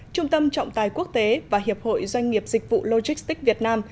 trung tâm trọng tài quốc tế và hiệp hội doanh nghiệp dịch vụ logistics việt nam